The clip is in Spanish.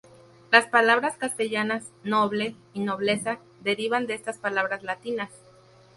Las palabras castellanas "noble" y "nobleza" derivan de estas palabras latinas.